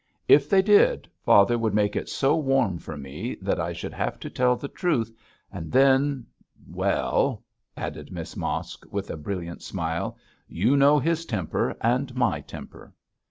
If they did, father would make it so warm for me that I should have to tell the truth, and then well,' added Miss Mosk, with a brilliant smile, 'you know his temper and my temper.'